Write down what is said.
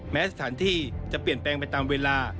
แม้สถานที่จะเปลี่ยนแปลงไปตามเวลา